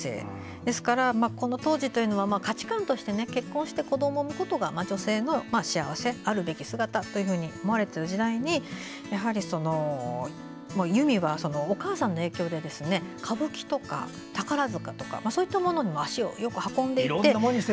ですからこの当時というのは価値観として結婚して子どもを産むことが女性の幸せあるべき姿と思われてる時代に由実はお母さんの影響で歌舞伎とか宝塚とかそういったものにも足をよく運んでいて。